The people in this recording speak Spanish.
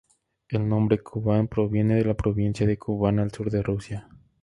El nombre Kuban proviene de la Provincia de Kuban, al sur de Rusia.